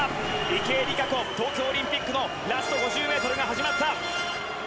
池江璃花子東京オリンピックのラスト５０ｍが始まった。